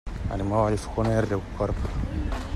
Anem a Vallfogona de Riucorb.